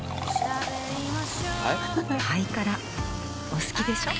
お好きでしょ。